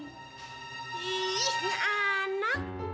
ih ini anak